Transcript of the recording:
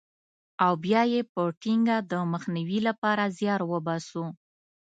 او بیا یې په ټینګه د مخنیوي لپاره زیار وباسو.